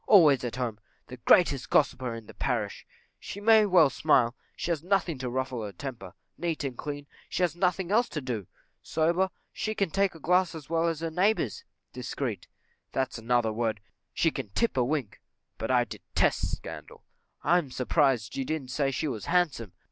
Always at home! the greatest gossiper in the parish; she may well smile, she has nothing to ruffle her temper; neat and clean she has nothing else to do; sober she can take a glass as well as her neighbours; discreet that's another word, she can tip a wink: but I detest scandal; I am surprised you didn't say she was handsome?